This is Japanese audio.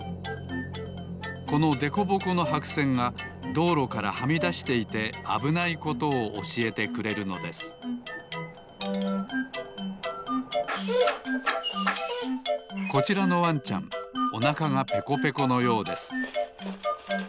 このでこぼこのはくせんがどうろからはみだしていてあぶないことをおしえてくれるのですこちらのワンちゃんおなかがペコペコのようです